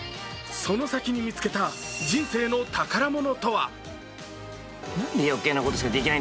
その先に見つけた人生の宝物とは。